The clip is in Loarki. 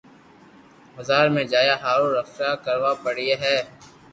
بزار م جايا هارون رڪۮه ڪراوئ پڙو هي